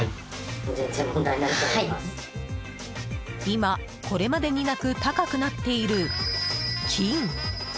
今、これまでになく高くなっている、金。